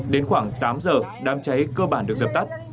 đến khoảng tám giờ đám cháy cơ bản được dập tắt